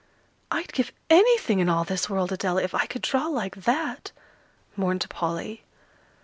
"I'd give anything in all this world, Adela, if I could draw like that," mourned Polly.